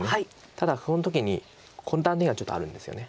ただその時にこの断点がちょっとあるんですよね。